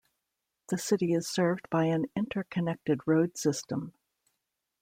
The city is served by an interconnected road system.